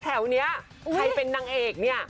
แถวนี้ใครเป็นนางเอกเนี่ย